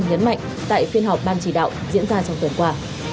nhấn mạnh tại phiên họp ban chỉ đạo diễn ra trong tuần qua